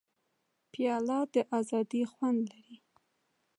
پیاله د ازادۍ خوند لري.